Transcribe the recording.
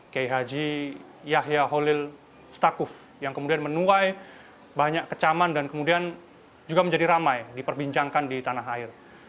kiai haji yahya holil stakuf yang kemudian menuai banyak kecaman dan kemudian juga menjadi ramai diperbincangkan di tanah air